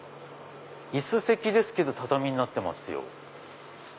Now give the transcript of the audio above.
椅子席ですけど畳になってますよ。